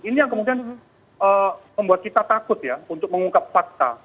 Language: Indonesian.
ini yang kemudian membuat kita takut ya untuk mengungkap fakta